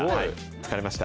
疲れました。